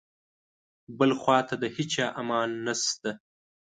بل خواته د هیچا امان نشته.